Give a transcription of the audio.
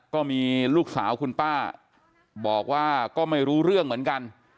ก็มีลูกสาวคุณป้าบอกว่าก็ไม่รู้เรื่องเหมือนกัน